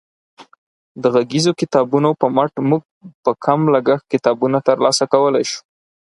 د غږیزو کتابونو په مټ موږ په کم لګښت کتابونه ترلاسه کولی شو.